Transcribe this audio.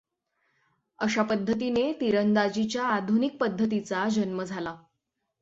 अशा पद्धतीने तिरंदाजीच्या आधुनिक पद्धतीचा जन्म झाला.